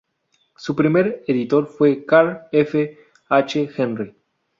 Su primer editor fue Carl F. H. Henry.